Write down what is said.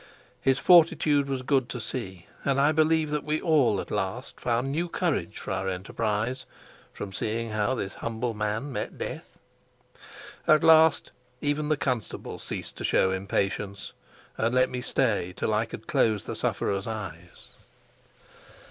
His fortitude was good to see, and I believe that we all at last found new courage for our enterprise from seeing how this humble man met death. At least even the constable ceased to show impatience, and let me stay till I could close the sufferer's eyes.